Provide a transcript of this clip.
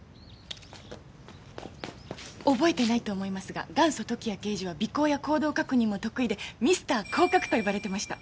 覚えてないと思いますが元祖・時矢刑事は尾行や行動確認も得意で「ミスター行確」と呼ばれてました。